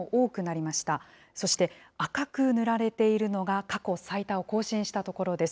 そして赤く塗られているのが過去最多を更新した所です。